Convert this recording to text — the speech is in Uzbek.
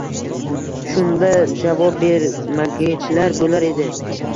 Shunda-da javob bermagichlar bo‘lar edi.